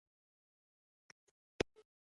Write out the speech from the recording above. د دې کیسې کرکټرونه باید پیریان او جنونه ترسره کړي.